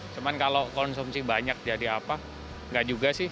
cuman kalau konsumsi banyak jadi apa nggak juga sih